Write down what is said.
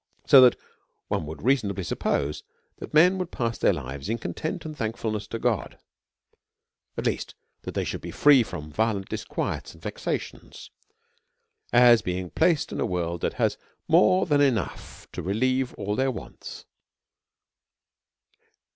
So that one would reasonably suppose, that men should pass their lives in content and thankfulness to God, at least that they should be free from violent dis quiets and vexations, as being placed in a world that has more than enough to relieve all their wants.